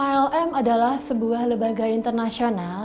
ilm adalah sebuah lembaga internasional